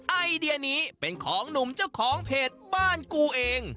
ไอเดียนี้เป็นของหนุ่มเจ้าของเพจบ้านกูเอง